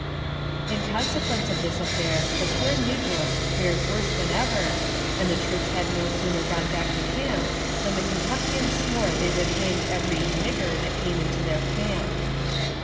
In consequence of this affair the poor negroes fared worse than ever, and the troops had no sooner gone back to camp than the Kentuckians swore they would hang every "nigger" that came into their camp.